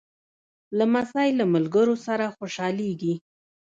لمسی له ملګرو سره خوشحالېږي.